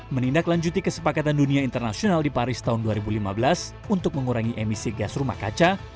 menindaklanjuti kesepakatan dunia internasional di paris tahun dua ribu lima belas untuk mengurangi emisi gas rumah kaca